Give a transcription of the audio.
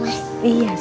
benar ya mas